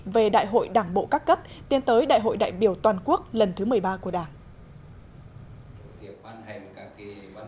về đại hội đảng bộ các cấp tiến tới đại hội đại biểu toàn quốc lần thứ một mươi ba của đảng